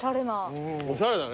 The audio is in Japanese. おしゃれな。